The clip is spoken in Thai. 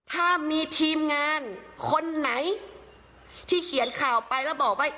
ถ้ามีทีมงานคนไหนที่เขียนข่าวไปแล้วบอกว่า